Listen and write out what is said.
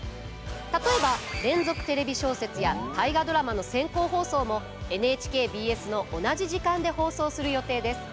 例えば「連続テレビ小説」や「大河ドラマ」の先行放送もＮＨＫＢＳの同じ時間で放送する予定です。